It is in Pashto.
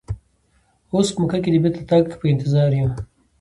اوس په مکه کې د بیرته تګ په انتظار یو.